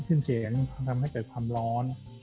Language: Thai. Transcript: ขึ้นเสียงทำให้เกิดความร้อน